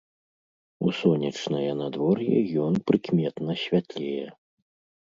У сонечнае надвор'е ён прыкметна святлее.